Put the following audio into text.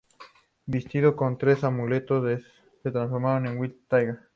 Vestido con los tres amuletos, se transformó en White Tiger.